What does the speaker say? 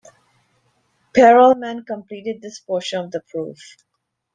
Perelman completed this portion of the proof.